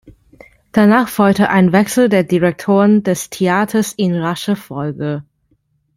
Danach folgte ein Wechsel der Direktoren des Theaters in rascher Folge.